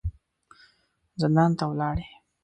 زندان ته ولاړې.